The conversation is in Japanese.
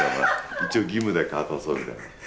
一応義務だけ果たそうみたいな。